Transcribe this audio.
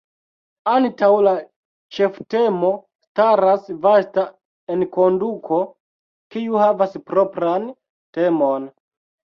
Antaŭ la ĉeftemo staras vasta enkonduko, kiu havas propran temon.